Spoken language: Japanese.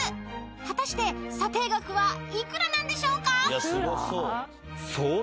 果たして査定額は幾らなんでしょうか？］